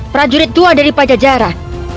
pak jurid tua dari pajajara